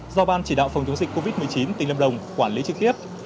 do ban chỉ đạo phòng chống dịch covid một mươi chín tỉnh lâm đồng quản lý trực tiếp